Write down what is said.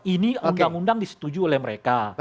ini undang undang disetujui oleh mereka